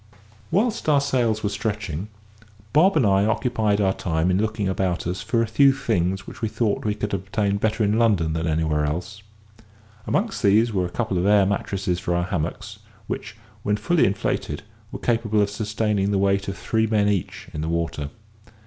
Whilst our sails were stretching, Bob and I occupied our time in looking about us for a few things which we thought we could better obtain in London than anywhere else. Amongst these were a couple of air mattresses for our hammocks, which, when fully inflated, were capable of sustaining the weight of three men each in the water.